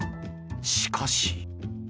しかし。